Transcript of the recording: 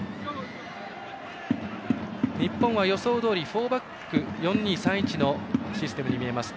日本は予想どおりフォーバック４−２−３−１のシステムに見えます。